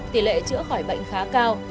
tỷ lệ chữa khỏi bệnh khá cao